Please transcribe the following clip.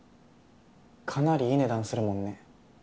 かなりいい値段するもんね。